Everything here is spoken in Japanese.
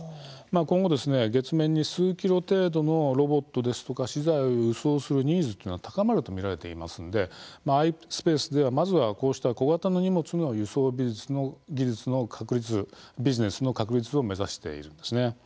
今後、月面に数ｋｇ程度のロボットですとか資材を輸送するニーズというのは高まると見られていますのでアイスペースではまずは、こうした小型の荷物の輸送技術の確立ビジネスの確立を目指しているんですね。